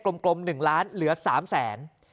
กลม๑ล้านเหลือ๓แสน